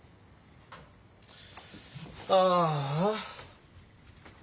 ああ。